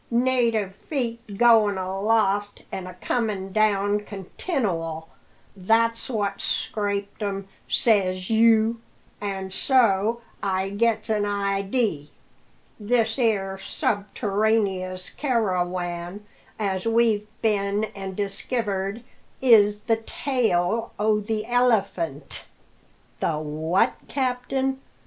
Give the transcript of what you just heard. Native feet goin' aloft and a comin' down continual, that's what's scraped 'em, says you; an' so I gets an idee. This 'ere subterraneous carawan as we've been an' diskivered is the tail o' the 'Elephant'!" "The what, captain?"